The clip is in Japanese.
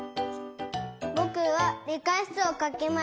ぼくはりかしつをかきました。